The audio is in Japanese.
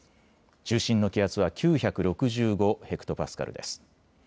中心の気圧は９６５ｈＰａです。